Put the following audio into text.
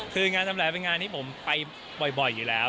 คืองานทำแหลเป็นงานที่ผมไปบ่อยอยู่แล้ว